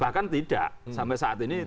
bahkan tidak sampai saat ini